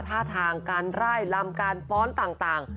ท่าทางการไล่ลำการฟ้อนต่าง